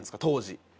当時。